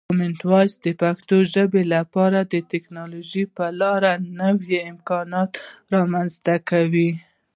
کامن وایس د پښتو ژبې لپاره د ټکنالوژۍ له لارې نوې امکانات رامنځته کوي.